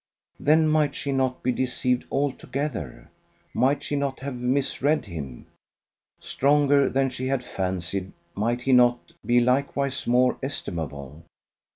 Then might she not be deceived altogether might she not have misread him? Stronger than she had fancied, might he not be likewise more estimable?